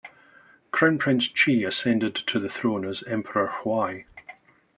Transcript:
Crown Prince Chi ascended to the throne as Emperor Huai.